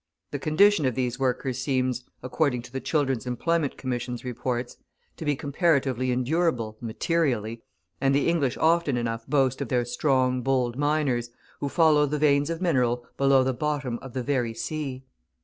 The condition of these workers seems, according to the Children's Employment Commission's Reports, to be comparatively endurable, materially, and the English often enough boast of their strong, bold miners, who follow the veins of mineral below the bottom of the very sea.